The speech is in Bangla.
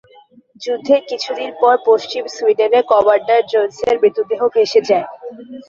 যুদ্ধের কিছুদিন পর পশ্চিম সুইডেনে কমান্ডার জোনসের মৃতদেহ ভেসে যায়।